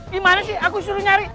gimana sih aku suruh nyari